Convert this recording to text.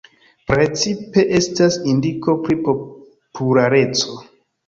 Precipe estas indiko pri populareco.